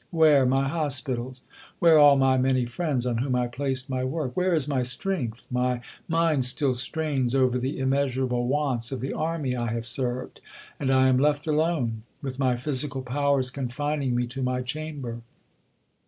where, my Hospitals? where all my many friends on whom I placed my work? where is my strength? My mind still strains over the immeasurable wants of the Army I have served, and I am left alone, with my physical powers confining me to my chamber."